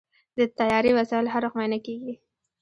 د طیارې وسایل هر وخت معاینه کېږي.